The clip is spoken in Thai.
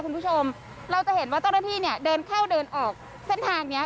คุณผู้ชมเราจะเห็นว่าเจ้าหน้าที่เนี่ยเดินเข้าเดินออกเส้นทางเนี้ย